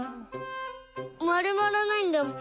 まるまらないんだもん。